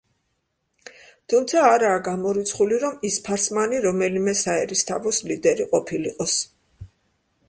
თუმცა არაა გამორიცხული რომ ის ფარსმანი რომელიმე საერისთავოს ლიდერი ყოფილიყოს.